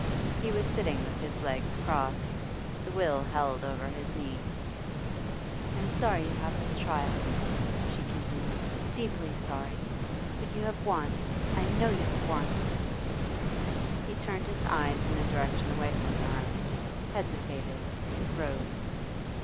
He was sitting with his legs crossed, the will held over his knee. 'I am sorry you have this trial,' she continued, 'deeply sorry. But you have won, I know you have won!' He turned his eyes in a direction away from her, hesitated, rose.